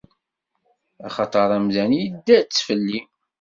Axaṭer amdan idda-tt fell-i.